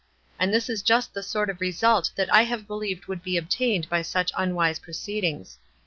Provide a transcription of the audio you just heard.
And this is just the sort of result that I have believed would be obtained by such un wise proceedings.